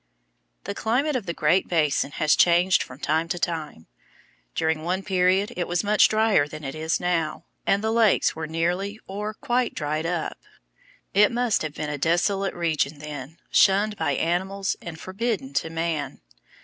The climate of the Great Basin has changed from time to time. During one period it was much drier than it is now, and the lakes were nearly or quite dried up. It must have been a desolate region then, shunned by animals and forbidden to man.